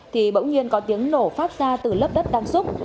thì bỗng nhiên có tiếng nổ phát ra từ lớp đất đang xúc